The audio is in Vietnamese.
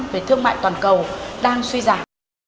về thương mại toàn cầu đang suy giảm